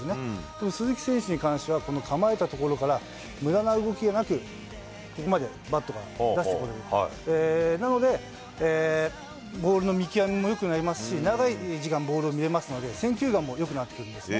でも鈴木選手に関しては、この構えたところから、むだな動きがなく、ここまでバットが出してこれる、なので、ボールの見極めもよくなりますし、長い時間、ボールを見れますので、選球眼もよくなってくるんですね。